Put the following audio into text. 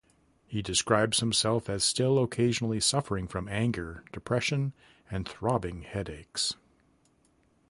He describes himself as still occasionally suffering from anger, depression, and throbbing headaches.